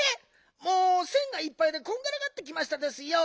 もうせんがいっぱいでこんがらがってきましたですよ。